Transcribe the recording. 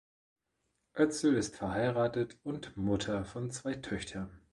Özel ist verheiratet und Mutter von zwei Töchtern.